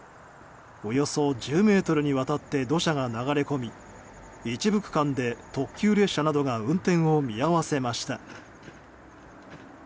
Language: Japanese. およそ１０ｍにわたって土砂が流れ込み一部区間で特急列車などが運転を見合わせました。